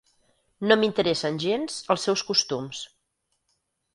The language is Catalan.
No m'interessen gens els seus costums.